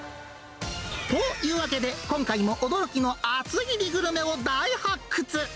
というわけで、今回も驚きの厚切りグルメを大発掘！